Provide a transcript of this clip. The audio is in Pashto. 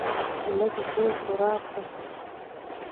لږ ځای خو راکړه .